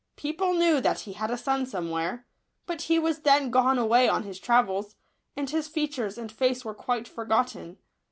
People knew that he had a son somewhere; but he was then gone away on his travels, and his fea tures and face were quite forgotten.